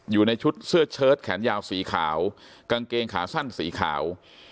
อยู่ในชุดเสื้อเชิดแขนยาวสีขาวกางเกงขาสั้นสีขาว